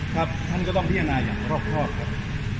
ครับท่านก็ต้องพิจารณาอย่างรอบครอบครับ